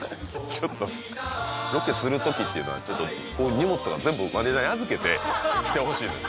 ちょっとロケする時っていうのはちょっと荷物とか全部マネージャーに預けて来てほしいのよ